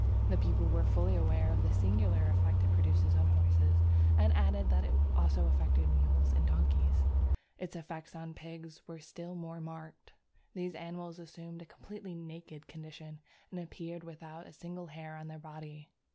The people were fully aware of the singular effect it produced on horses, and added that it also affected mules and donkeys. Its effect on pigs was still more marked. These animals assumed a completely naked condition, and appeared without a single hair on their body.